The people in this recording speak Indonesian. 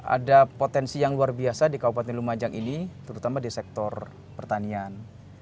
ada potensi yang luar biasa di kabupaten lumajang ini terutama di sektor pertanian